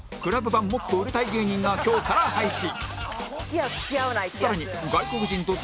版もっと売れたい芸人が今日から配信